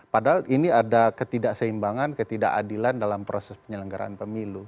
padahal ini ada ketidakseimbangan ketidakadilan dalam proses penyelenggaraan pemilu